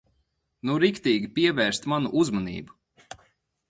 Nu riktīgi pievērst manu uzmanību.